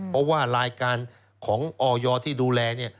เพราะว่ารายการของออยที่ดูแลเนี่ย